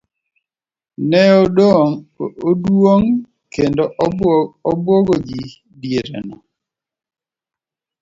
Ne oduong' kendo obuogo ji diereno.